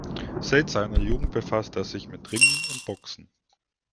Seit seiner Jugend befasste er sich mit Ringen und Boxen.